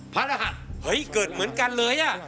พระรหัสเฮ้ยเกิดเหมือนกันเลยอ่ะ